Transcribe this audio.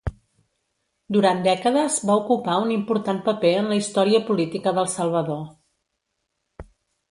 Durant dècades va ocupar un important paper en la història política del Salvador.